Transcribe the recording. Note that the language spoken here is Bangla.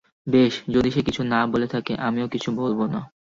বেশ, যদি সে কিছু না বলে থাকে, আমিও কিছু বলবো না।